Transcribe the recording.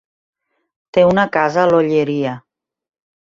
Té una casa a l'Olleria.